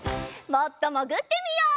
もっともぐってみよう。